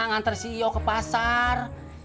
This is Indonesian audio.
ngantar si yo ke pasar